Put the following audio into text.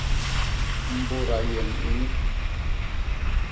Mbôda yem ini.